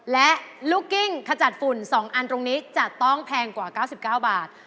และลูกกิ้งขจัดฝุ่น๒อันตรงนี้จะต้องแพงกว่า๙๙บาท